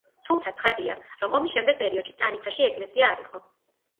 თუმცა ცხადია, რომ ომის შემდეგ პერიოდში სტანიცაში ეკლესია არ იყო.